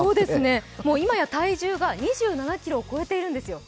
今や体重が２７ｋｇを超えているんですよ。